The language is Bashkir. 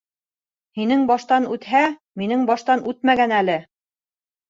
— Һинең баштан үтһә, минең баштан үтмәгән әле.